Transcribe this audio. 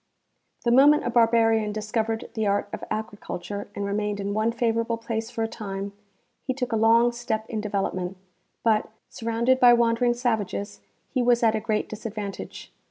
The moment a barbarian discovered the art of agriculture and re mained in one favorable place for a time, he took a long step in development ; but, surrounded by wandering savages, he was at a great disadvantage.